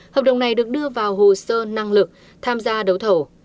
hợp đồng này được đưa vào hồ sơ năng lực tham gia đấu thầu